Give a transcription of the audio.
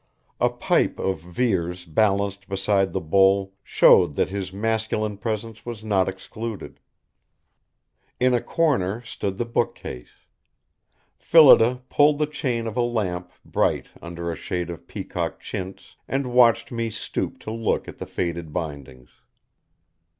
A pipe of Vere's balanced beside the bowl showed that his masculine presence was not excluded. In a corner stood the bookcase. Phillida pulled the chain of a lamp bright under a shade of peacock chintz, and watched me stoop to look at the faded bindings.